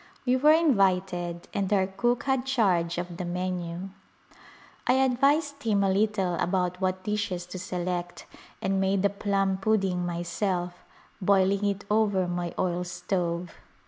We were invited and our cook had charge of the menu. I ad vised him a little about what dishes to select and made a plum pudding myself, boiling it over my oil stove.